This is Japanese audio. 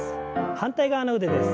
反対側の腕です。